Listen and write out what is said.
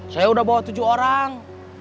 saya sudah bawa tujuh orang